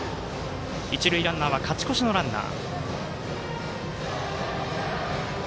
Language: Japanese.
一塁ランナーは勝ち越しのランナー。